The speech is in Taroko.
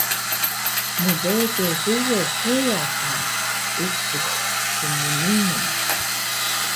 mbege huwe heya ka Utux Tmninun